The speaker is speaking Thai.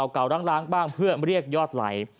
เก่าล้างบ้างเพื่อเรียกยอดไหล